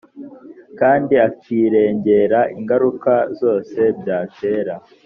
kandi akirengera ingaruka zose byatera